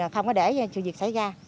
không có để sự việc xảy ra